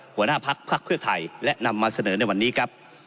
หัวหน้าพักพักเพื่อไทยและนำมาเสนอในวันนี้ครับ